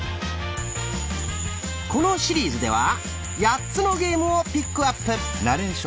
このシリーズでは８つのゲームをピックアップ。